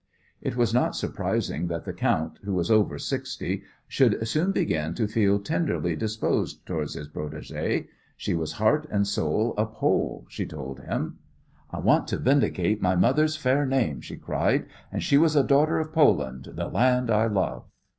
It was not surprising that the count, who was over sixty, should soon begin to feel tenderly disposed towards his protegé. She was heart and soul a Pole, she told him. "I want to vindicate my mother's fair name," she cried, "and she was a daughter of Poland, the land I love."